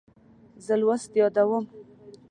زه لوست یادوم.